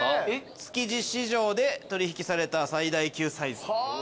築地市場で取引された最大級サイズ。